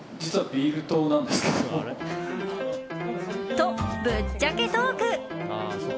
と、ぶっちゃけトーク。